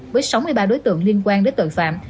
với sáu mươi ba đối tượng liên quan đến tội phạm